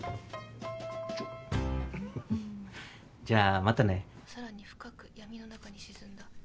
じゃあまたね。「さらに深く闇の中に沈んだ」